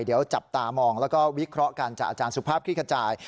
เดี๋ยวจับตามองแล้วก็วิเคราะห์กันจากอาจารย์สุภาพคลิกขจาย